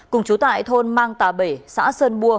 cùng chú tại thôn mang tà bể xã sơn bua